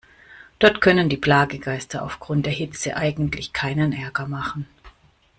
Dort können die Plagegeister aufgrund der Hitze eigentlich keinen Ärger machen.